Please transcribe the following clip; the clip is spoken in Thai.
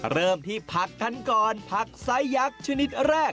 เริ่มที่ผักกันก่อนผักไซสยักษ์ชนิดแรก